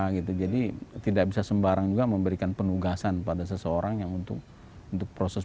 gitu jadi tidak bisa sembarang juga memberikan penugasan pada seseorang yang untuk untuk proses